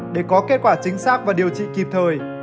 để có kết quả chính xác và điều trị kịp thời